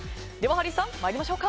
ハリーさん、参りましょうか。